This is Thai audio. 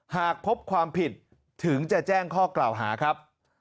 หากพบความผิดถึงจะแจ้งข้อกล่าวหาครับ